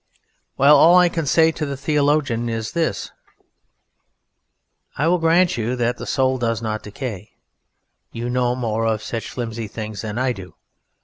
Well, all I can say to the Theologians is this: "I will grant you that the Soul does not decay: you know more of such flimsy things than I do.